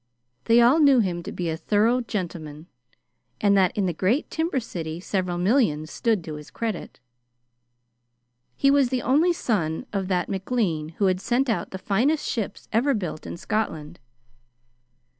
They all knew him to be a thorough gentleman, and that in the great timber city several millions stood to his credit. He was the only son of that McLean who had sent out the finest ships ever built in Scotland.